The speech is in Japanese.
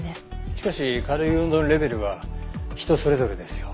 しかし軽い運動のレベルは人それぞれですよ。